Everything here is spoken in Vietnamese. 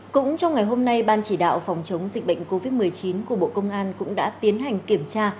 cũng trong ngày hôm nay ban chỉ đạo phòng chống dịch bệnh covid một mươi chín của bộ công an cũng đã tiến hành kiểm tra